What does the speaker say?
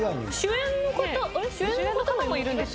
主演の方もいるんですよね。